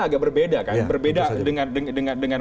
agak berbeda kan berbeda dengan